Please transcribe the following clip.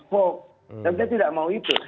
hoak dan saya tidak mau itu